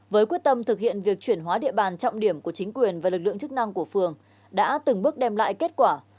với quyết tâm thực hiện việc chuyển hóa địa bàn trọng điểm của chính quyền và lực lượng chức năng của phường đã từng bước đem lại kết quả